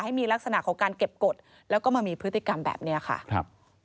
ให้มีลักษณะของการเก็บกฎแล้วก็มามีพฤติกรรมแบบนี้ค่ะครับ